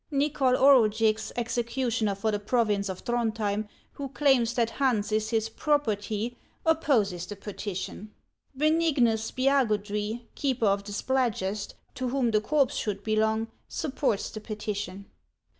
Xychol Orugix, executioner for the province of Throndhjem, who claims that Hans is his property, opposes the petition. Beniguus Spiagudry, keeper of the Spladgest, to whom the corpse should belong, supports the petition."